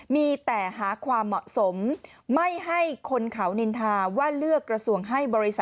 มีแต่หาความเหมาะสมไม่ให้คนเขานินทาว่าเลือกกระทรวงให้บริษัท